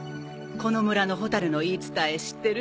この村のホタルの言い伝え知ってる？